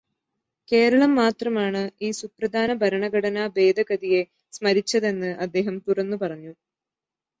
കേരളം മാത്രമാണ് ഈ സുപ്രധാന ഭരണഘടനാ ഭേദഗതിയെ സ്മരിച്ചതെന്ന് അദ്ദേഹം തുറന്നു പറഞ്ഞു.